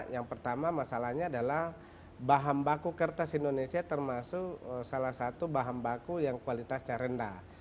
yang pertama masalahnya adalah bahan baku kertas indonesia termasuk salah satu bahan baku yang kualitasnya rendah